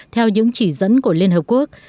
theo những chỉ dẫn của liên hợp quốc